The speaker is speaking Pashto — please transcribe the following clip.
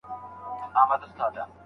هغه وويل چي انصاف اړين دی.